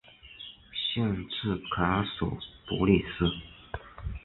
县治卡索波利斯。